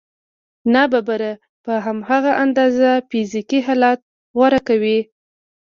ناببره په هماغه اندازه فزيکي حالت غوره کوي.